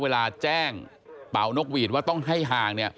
เวลาแจ้งเป่านกหวีดว่าต้องให้ห่างเนี่ย